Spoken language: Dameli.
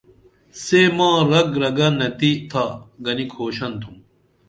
سے ماں رگ رگہ نتِی تھا گنی کھوشن تُھم